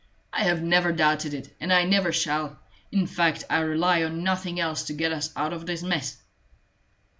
I have never doubted it, and I never shall. In fact, I rely on nothing else to get us out of this mess."